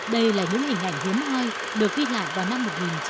đây là những hình ảnh hiếm hoi được ghi lại vào năm một nghìn chín trăm linh chín